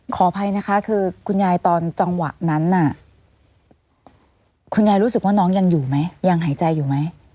ขออภัยนะคะคือคุณยายตอนจังหวะนั้นน่ะคุณยายรู้สึกว่าน้องยังอยู่ไหมยังหายใจอยู่ไหม